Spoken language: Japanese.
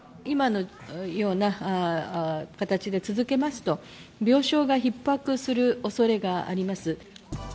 今のような形で続けますと、病床がひっ迫するおそれがあります。